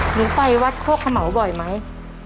หนูไปวัดโคกเขม่าบ่อยไหม